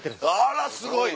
あらすごい！